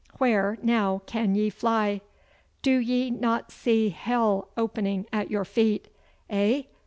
Where now can ye fly? Do ye not see hell opening at your feet? Eh?